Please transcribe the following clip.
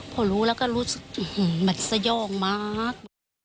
พอรู้แล้วก็รู้สึกแมทสยองมาก